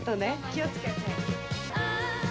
気を付けて」